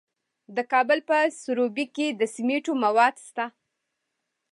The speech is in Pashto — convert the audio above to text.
د کابل په سروبي کې د سمنټو مواد شته.